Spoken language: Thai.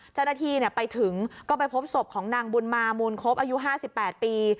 เจ้าหน้าที่ไปถึงก็ไปพบศพของนางบุญมามูลคบอายุ๕๘ปี